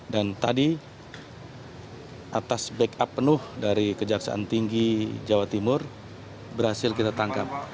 dan tadi atas backup penuh dari kejaksaan tinggi jawa timur berhasil kita tangkap